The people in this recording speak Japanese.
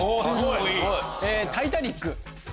『タイタニック』。